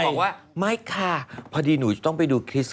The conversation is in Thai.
บอกว่าไม่ค่ะพอดีหนูจะต้องไปดูคริสต